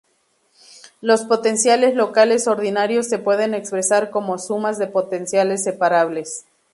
Los potenciales locales ordinarios se pueden expresar como sumas de potenciales separables.